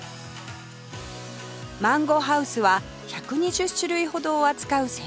マンゴハウスは１２０種類ほどを扱う専門店